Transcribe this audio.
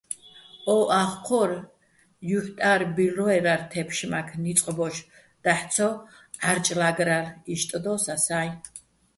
ო ახ ჴორ ჲუჲჰ̦ტა́რ ბილლო́ერალო̆ თე́ფშმაქ, ნიწყ ბოშ, დაჰ̦ ცო ჺარჭლა́გრალო̆, იშტ დო́ს ასა́ჲ.